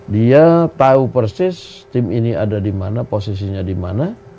dia tahu persis tim ini ada di mana posisinya di mana